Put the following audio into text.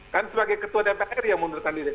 kan sebagai ketua dpr yang mengundurkan diri